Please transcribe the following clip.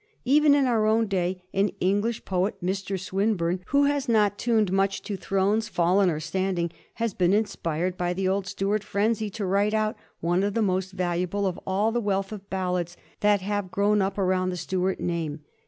Even in our own day, an English poet, Mr. Swinburne, who has not tuned much to thrones fallen or standing, has been inspired by the old Stuart frenzy to write one of the most valuable of all the wealth of ballads that have grown up around the Stuart name.